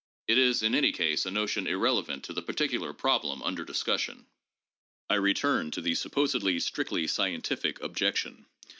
It is in any case a notion irrelevant to the particular problem under discussion. I return to the supposedly strictly scientific objection.